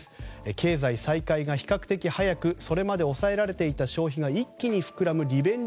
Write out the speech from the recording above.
経済再開が比較的早くそれまで抑えらえていた消費が一気に膨らむリベンジ